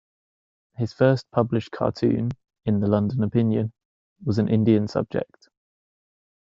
His first published cartoon, in the "London Opinion", was an Indian subject.